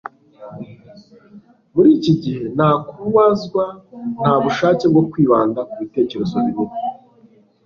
muri iki gihe nta kubazwa nta bushake bwo kwibanda ku bitekerezo binini